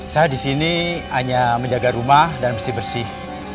saya di sini hanya menjaga rumah dan mesti bersih